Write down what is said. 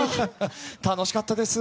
楽しかったです。